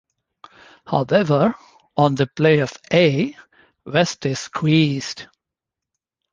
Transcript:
However, on the play of A, West is squeezed.